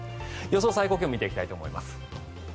予想最高気温を見ていきたいと思います。